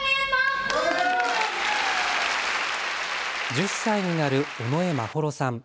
１０歳になる尾上眞秀さん。